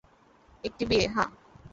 একটি বিয়ে, হ্যাঁ।